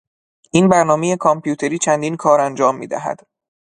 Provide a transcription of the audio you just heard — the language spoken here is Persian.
این برنامهی کامپیوتری چندین کار انجام میدهد.